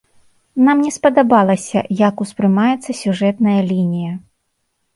Нам не спадабалася, як успрымаецца сюжэтная лінія.